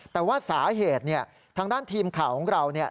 แต่ว่าสาเหตุเนี่ยทางด้านทีมข่าวของเราเนี่ย